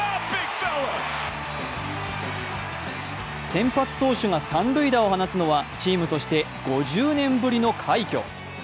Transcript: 先発投手が三塁打を放つのはチームとして５０年ぶりの快挙。